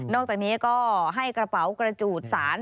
อกจากนี้ก็ให้กระเป๋ากระจูดสาร